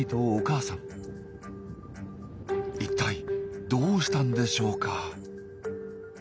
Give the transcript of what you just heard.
一体どうしたんでしょうか？